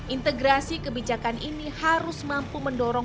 integrasi kebijakan ini harus mampu mendorong